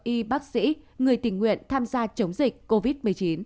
y bác sĩ người tình nguyện tham gia chống dịch covid một mươi chín